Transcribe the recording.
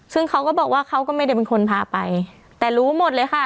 ซึ่งเขาก็บอกว่าเขาก็ไม่ได้เป็นคนพาไปแต่รู้หมดเลยค่ะ